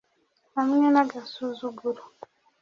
hamwe n,agasuzuguro